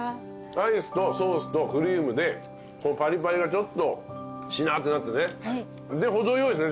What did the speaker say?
アイスとソースとクリームでパリパリがちょっとしなってなってねで程よいですね